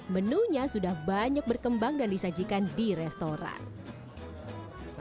menunya sudah banyak berkembang dan disajikan di restoran